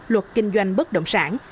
luật kinh doanh bất động sản